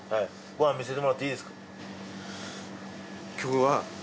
ご飯見せてもらっていいですか？